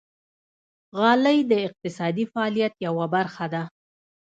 غالۍ د اقتصادي فعالیت یوه برخه ده.